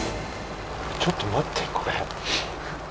ちょっと待ってこれ。